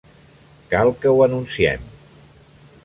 Cal que ho anunciem.